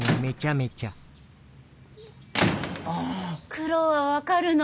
苦労は分かるの。